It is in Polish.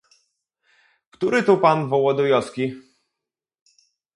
"Który tu pan Wołodyjowski?"